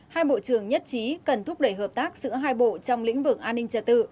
hai bộ trưởng nhất trí cần thúc đẩy hợp tác giữa hai bộ trong lĩnh vực an ninh trật tự